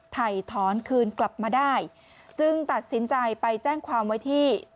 ถ่ายถอนคืนกลับมาได้จึงตัดสินใจไปแจ้งความไว้ที่